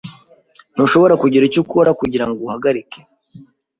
Ntushobora kugira icyo ukora kugirango uhagarike?